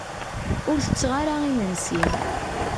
Ur tetteɣ ara imensi.